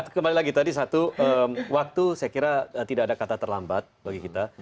kembali lagi tadi satu waktu saya kira tidak ada kata terlambat bagi kita